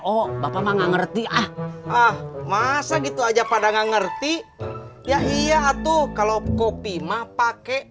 oh bapak mah gak ngerti ah ah masa gitu aja pada nggak ngerti ya iya tuh kalau kopi mah pakai